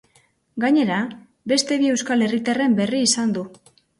Gainera, beste bi euskal herritarren berri izan du.